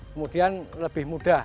kemudian lebih mudah